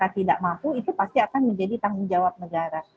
tidak mampu itu pasti akan menjadi tanggung jawab negara